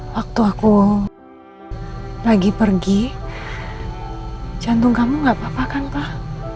waktu aku lagi pergi pergi jantung kamu gak apa apa kan kah